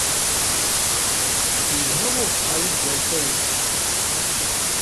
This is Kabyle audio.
Yelha ubeḥḥer i tdawsa-nnem.